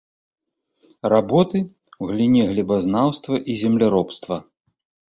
Работы ў галіне глебазнаўства і земляробства.